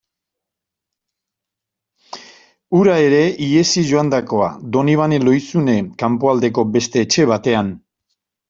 Hura ere ihesi joandakoa, Donibane Lohizune kanpoaldeko beste etxe batean...